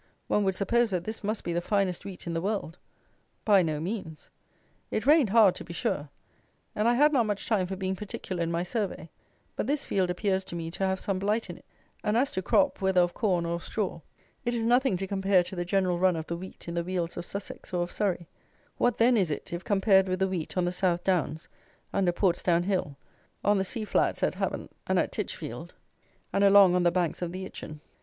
One would suppose that this must be the finest wheat in the world. By no means. It rained hard, to be sure, and I had not much time for being particular in my survey; but this field appears to me to have some blight in it; and as to crop, whether of corn or of straw, it is nothing to compare to the general run of the wheat in the wealds of Sussex or of Surrey; what, then, is it, if compared with the wheat on the South Downs, under Portsdown Hill, on the sea flats at Havant and at Tichfield, and along on the banks of the Itchen!